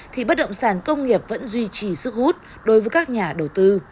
thì bất động sản công nghiệp vẫn duy trì sức hút đối với các nhà đầu tư